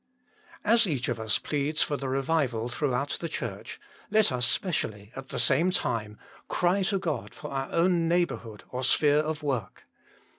And as each of us pleads for the revival through out the Church, let us specially, at the same time, cry to God for our own neighbourhood or sphere of work.